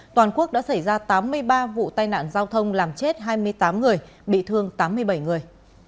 toàn quốc đã xảy ra tám mươi ba vụ tai nạn giao thông làm chết hai mươi tám người bị thương tám mươi bảy người